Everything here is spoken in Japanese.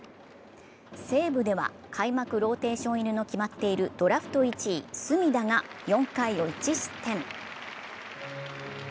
西武では開幕ローテーション入りが決まっているドラフト１位・隅田が４回を１失点。